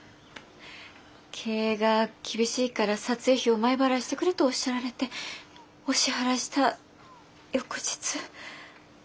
経営が厳しいから撮影費を前払いしてくれとおっしゃられてお支払いした翌日。